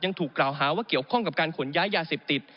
ถูกกล่าวหาว่าเกี่ยวข้องกับการขนย้ายยาเสพติด